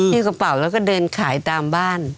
ที่กระเป๋าแล้วก็เดินขายตามบ้าน